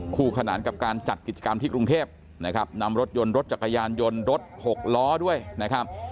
คู่ขนานกับการจัดกิจกรรมที่กรุงเทพนะครับนำรถยนต์รถจักรยานยนต์รถหกล้อด้วยนะครับ